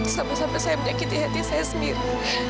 sama sama saya menyakiti hati saya sendiri